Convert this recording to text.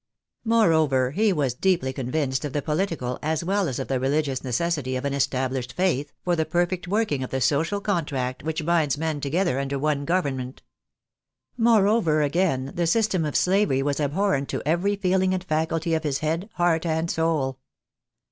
Moreover, he was deeply convinced of the poUtical, as weU as of the religious necessity of an established faith, for the perfect working of the social contract which binds men together under one government. Moreover, again, the system of slavery was abhorrent to every feeling and faculty of his head, heart, and soul.